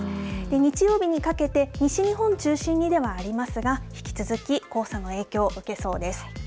日曜日にかけて西日本中心にではありますが引き続き、黄砂の影響を受けそうです。